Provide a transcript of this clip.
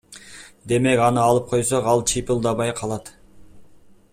Демек аны алып койсо ал чыйпылдабай калат.